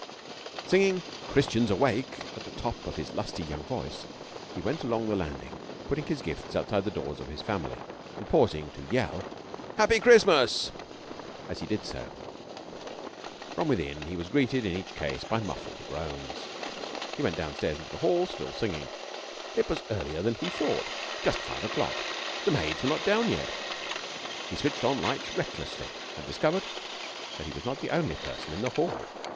Singing "Christians Awake!" at the top of his lusty young voice, he went along the landing, putting his gifts outside the doors of his family, and pausing to yell "Happy Christmas" as he did so. From within he was greeted in each case by muffled groans. He went downstairs into the hall, still singing. It was earlier than he thought just five o'clock. The maids were not down yet. He switched on lights recklessly, and discovered that he was not the only person in the hall.